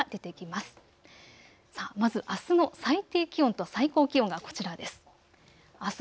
まず、あすの最低気温と最高気温がこちらです。